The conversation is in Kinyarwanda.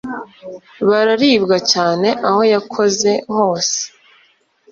bararibwa cyane aho yakoze hose,